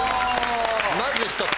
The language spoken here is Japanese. まず１つ。